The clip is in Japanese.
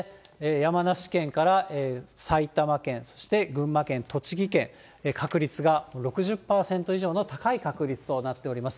山梨県から埼玉県、そして群馬県、栃木県、確率が６０％以上の高い確率となっております。